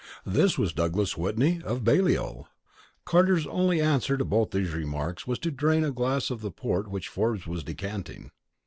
This was Douglas Whitney, of Balliol. Carter's only answer to both these remarks was to drain a glass of the port which Forbes was decanting.